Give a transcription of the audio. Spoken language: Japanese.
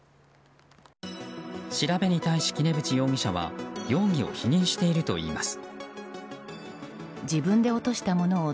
調べに対し杵渕容疑者は容疑を否認しているといいます。